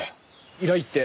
依頼って？